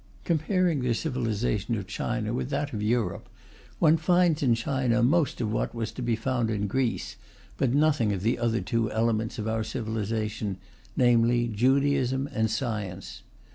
Comparing the civilization of China with that of Europe, one finds in China most of what was to be found in Greece, but nothing of the other two elements of our civilization, namely Judaism and science.